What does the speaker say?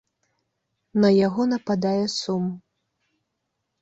На яго нападае сум.